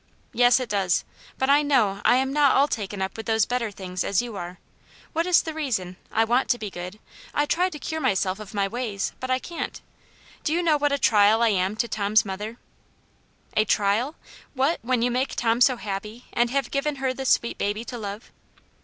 " Yes, it does. But I knpw I am not all taken up with those better things as you are. What is the reason } I want to be good. I try to cure myself of my ways, but I can't. Do you know what a trial I am to Tom*s mother V *' A trial ? What, when you make Tom so happy, and have given her this sweet baby to love